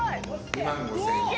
２万５，０００円。